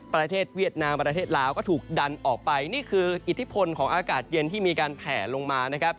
ประเทศเวียดนามประเทศลาวก็ถูกดันออกไปนี่คืออิทธิพลของอากาศเย็นที่มีการแผลลงมานะครับ